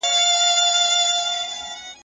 ايا حضوري ټولګي منظمه تعليمي فضا برابروي؟